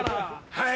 はい！